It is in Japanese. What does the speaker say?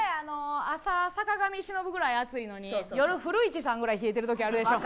朝坂上忍ぐらいアツいのに夜古市さんぐらい冷えてる時あるでしょ